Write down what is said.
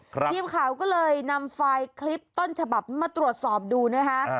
ทีมข่าวก็เลยนำไฟล์คลิปต้นฉบับมาตรวจสอบดูนะคะ